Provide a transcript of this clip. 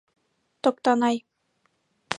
Токтанай.